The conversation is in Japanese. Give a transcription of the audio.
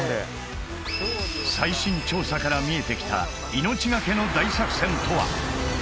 最新調査から見えてきた命懸けの大作戦とは？